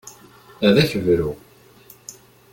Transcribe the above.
Ad ak-bruɣ.